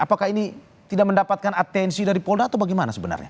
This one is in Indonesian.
apakah ini tidak mendapatkan atensi dari polda atau bagaimana sebenarnya